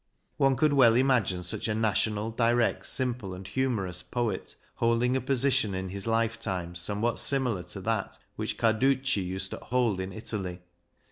One could well imagine such a national, direct, simple, and humorous poet holding a position in his lifetime somewhat similar to that which Carducci used to hold in Italy.